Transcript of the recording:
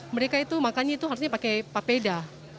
mereka itu makannya itu harusnya pakai papeda